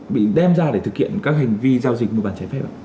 bị đem ra để thực hiện các hành vi giao dịch mua bán trái phép ạ